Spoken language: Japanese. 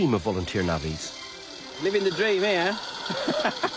ハハハハ！